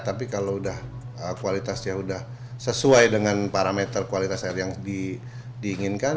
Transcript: tapi kalau kualitasnya sudah sesuai dengan parameter kualitas air yang diinginkan